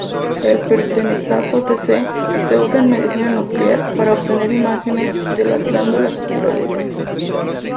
El pertecnetato-Tc se usa en medicina nuclear para obtener imágenes de la glándula tiroides.